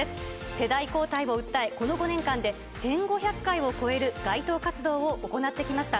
世代交代を訴え、この５年間で１５００回を超える街頭活動を行ってきました。